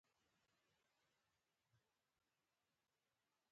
زه د ټک ټاک رجحانات ګورم.